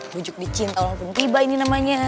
bujuk di cinta walaupun tiba ini namanya